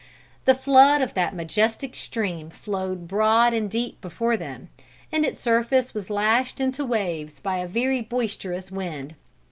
The flood of that majestic stream flowed broad and deep before them, and its surface was lashed into waves by a very boisterous wind.